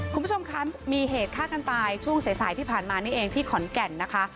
คุณผู้ชมคะมีเหตุฆ่ากันตายช่วงสายสายที่ผ่านมานี่เองที่ขอนแก่นนะคะ